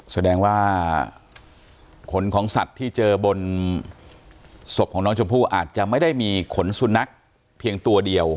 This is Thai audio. แสดงว่าขนของสัตว์ที่เจอบนศพของน้องชมพู่อาจจะไม่ได้มีขนสุนัขเพียงตัวเดียว